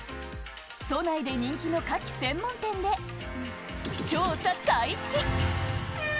都内で人気のカキ専門店で調査開始。